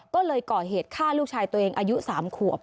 ก็เลยก่อเหตุฆ่าลูกชายตัวเองอายุ๓ขวบ